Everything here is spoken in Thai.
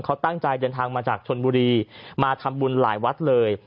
เขาตั้งใจเดินทางมาจากชนบุรีมาทำบุญหลายวัดเลย